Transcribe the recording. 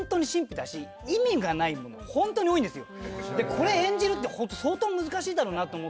これ演じるってホント相当難しいだろうなと思って。